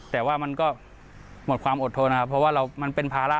แต่ว่ามันก็หมดความอดทนนะครับเพราะว่ามันเป็นภาระ